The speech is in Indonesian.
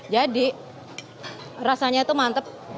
jadi rasanya tuh mantep